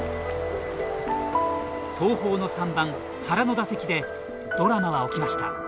東邦の３番・原の打席でドラマは起きました。